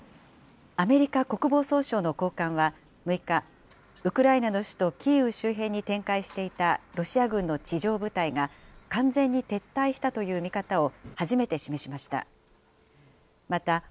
アメリカ国防総省の高官は、６日、ウクライナの首都キーウ周辺に展開していたロシア軍の地上部隊が、完全に撤退したという見方を初めて示しました。